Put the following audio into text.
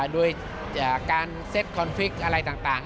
โดยการเซ็ตคอนฟิกต์อะไรต่าง